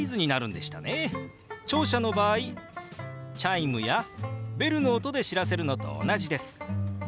聴者の場合チャイムやベルの音で知らせるのと同じです。